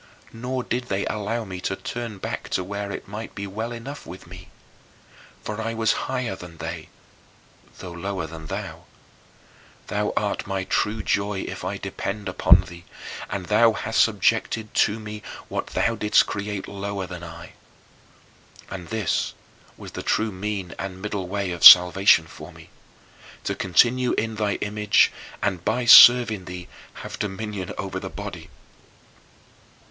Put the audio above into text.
Nor did they allow me to turn back to where it might be well enough with me. For I was higher than they, though lower than thou. Thou art my true joy if I depend upon thee, and thou hadst subjected to me what thou didst create lower than I. And this was the true mean and middle way of salvation for me, to continue in thy image and by serving thee have dominion over the body.